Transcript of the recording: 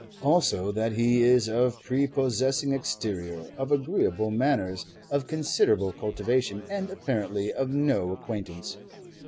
Also that he is of prepossessing exterior, of agreeable manners, of considerable cultivation, and apparently of no acquaintance.